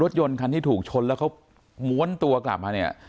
รถยนต์คันที่ถูกชนแล้วเขาม้วนตัวกลับมาเนี่ย